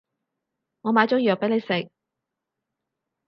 我買咗藥畀你食